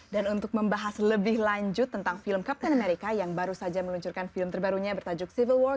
dan untuk membahas lebih lanjut tentang film captain america yang baru saja meluncurkan film terbarunya bertajuk civil war